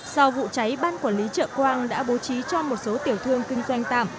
sau vụ cháy ban quản lý chợ quang đã bố trí cho một số tiểu thương kinh doanh tạm